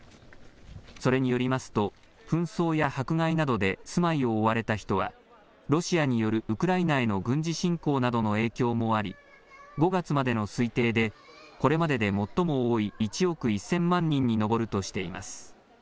それによりますと、紛争や迫害などで住まいを追われた人は、ロシアによるウクライナへの軍事侵攻などの影響もあり、５月までの推定で、これまでで最も多い１億１０００万人に上るとしています。